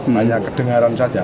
hanya kedengaran saja